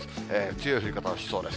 強い降り方をしそうです。